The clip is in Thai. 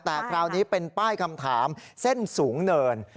แต่คราวนี้เป็นป้ายคำถามเส้นสูงเนิน